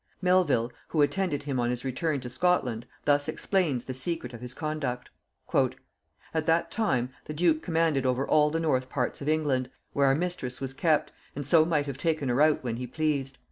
Melvil, who attended him on his return to Scotland, thus explains the secret of his conduct: "At that time the duke commanded over all the north parts of England, where our mistress was kept, and so might have taken her out when he pleased.